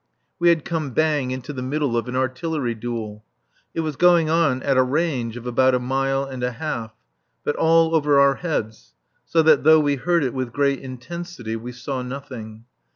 We had come bang into the middle of an artillery duel. It was going on at a range of about a mile and a half, but all over our heads, so that though we heard it with great intensity, we saw nothing.